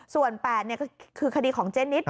ส่วนแอบ๘คือขดีของเจ๊นิด